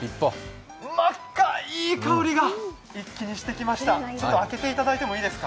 真っ赤、いい香りが一気にしてきました。